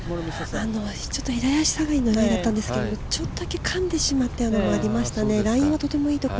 ちょっと左足下がりのラインだったんですけど、ちょっとだけかんでしまった部分がありましたね。